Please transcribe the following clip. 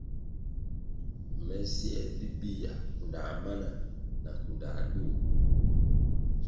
Me siē bibihya, kundā mana na na kunda duo.